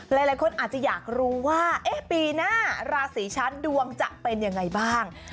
หลายคนอาจจะอยากรู้ว่าปีหน้าราศีชั้นดวงจะเป็นยังไงบ้าง